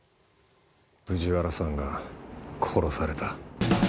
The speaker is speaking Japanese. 藤原さんが殺された。